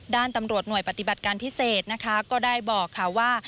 ด้านตำรวจหน่วยปฏิบัติการพิเศษนะคะก็ได้บอกค่ะว่า